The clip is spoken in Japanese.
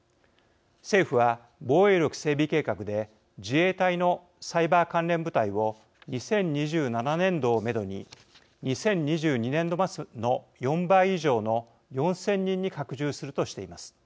政府は、防衛力整備計画で自衛隊のサイバー関連部隊を２０２７年度をめどに２０２２年度末の４倍以上の４０００人に拡充するとしています。